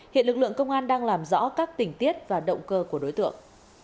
hiện lực lượng công an đang làm rõ các tình tiết và động cơ của đối tượng